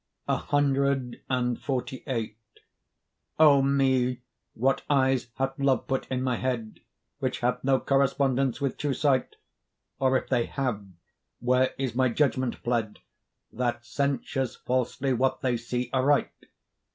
CXLVIII O me! what eyes hath Love put in my head, Which have no correspondence with true sight; Or, if they have, where is my judgment fled, That censures falsely what they see aright?